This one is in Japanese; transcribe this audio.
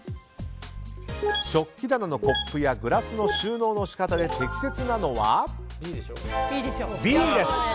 食器棚のコップやグラスの収納の仕方で適切なのはＢです。